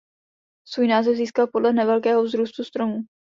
Svůj název získal podle nevelkého vzrůstu stromů.